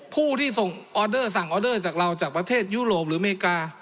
ผู้ที่ส่งออเดอร์สั่งออเดอร์จากเราจากประเทศยุโรปหรืออเมริกา